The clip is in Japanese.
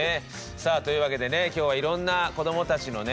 さあというわけでね今日はいろんな子どもたちのね